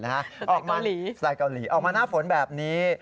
สไตล์เกาหลีสไตล์เกาหลีออกมาหน้าฝนแบบนี้